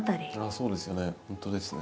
そうですよね。